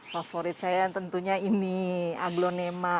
favorit saya tentunya ini aglonema